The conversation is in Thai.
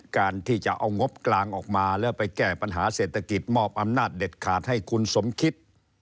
การที่จะเอางบกลางออกมาแล้วไปแก้ปัญหาเศรษฐกิจมอบอำนาจเด็ดขาดให้คุณสมคิด